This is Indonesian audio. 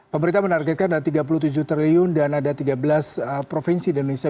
pemerintah menargetkan ada tiga puluh tujuh triliun dan ada tiga belas provinsi di indonesia